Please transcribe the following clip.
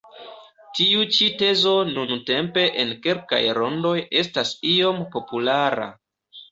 Tiu ĉi tezo nuntempe en kelkaj rondoj estas iom populara.